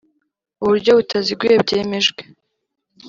Uburyo butaziguye byemejwe